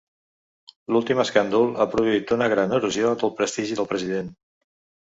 L'últim escàndol ha produït una gran erosió del prestigi del president.